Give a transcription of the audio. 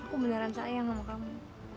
aku beneran sayang sama kamu